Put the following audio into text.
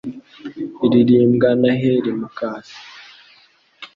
iririmbwa na Heri Mukasa.